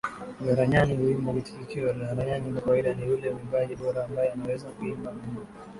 Olaranyani huimba kiitikio Olaranyani kwa kawaida ni yule mwimbaji bora ambaye anaweza kuimba wimbo